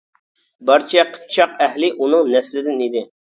بارچە قىپچاق ئەھلى ئۇنىڭ نەسلىدىن ئىدى.